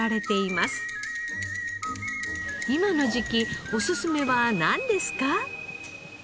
今の時期おすすめはなんですか？